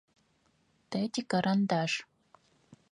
Тэ тикарандаш.